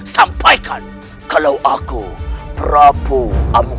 sampaikan kalau aku prabu amukar